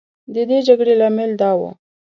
د دې جګړې لامل دا و.